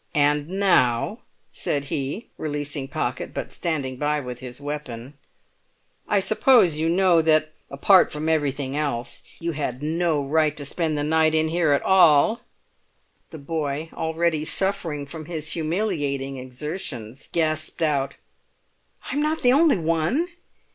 "And now," said he, releasing Pocket, but standing by with his weapon, "I suppose you know that, apart from everything else, you had no right to spend the night in here at all?" The boy, already suffering from his humiliating exertions, gasped out, "I'm not the only one!"